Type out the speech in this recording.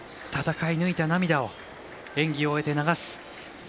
戦い抜いた涙を演技を終えて流す。